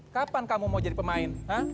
kapan kamu mau jadi pemain